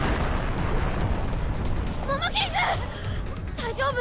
大丈夫？